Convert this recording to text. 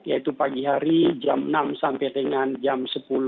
yaitu pagi hari jam enam sampai dengan jam sepuluh